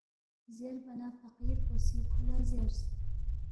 زیربا نہ فقیر پو سی کھو لہ زیرس،